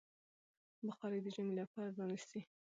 بخارۍ د ژمي لپاره رانيسئ.